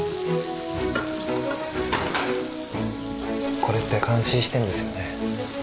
これって監視してんですよね？